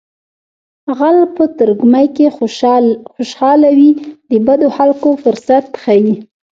غل په ترږمۍ کې خوشحاله وي د بدو خلکو فرصت ښيي